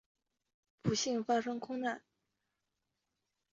不幸发生空难。